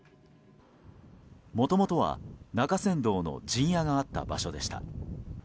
もともとは中山道の陣屋があった場所でした。